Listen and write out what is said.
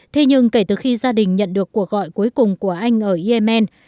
thế nhưng kể từ khi gia đình nhận được cuộc gọi cuối cùng của anh ở yemen